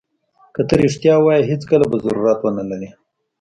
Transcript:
که ته رښتیا ووایې هېڅکله به ضرورت ونه لرې.